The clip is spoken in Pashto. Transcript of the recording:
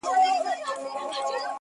• بې سپرلیه بې بارانه ګلان شنه کړي..